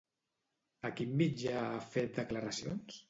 A quin mitjà ha fet declaracions?